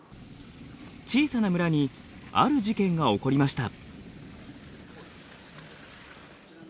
小さな村にある事件が起こりました。